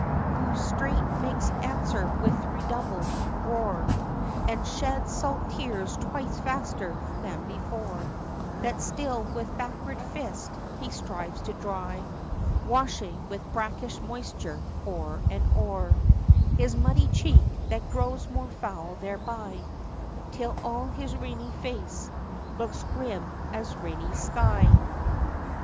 Who straight makes answer with redoubled roar, And sheds salt tears twice faster than before, That still, with backward fist, he strives to dry; Washing, with brackish moisture, o'er and o'er, His muddy cheek, that grows more foul thereby, Till all his rainy face looks grim as rainy sky.